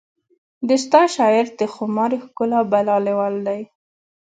د ستا شاعر د خماري ښکلا بلا لیوال دی